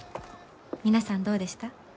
皆さんどうでした？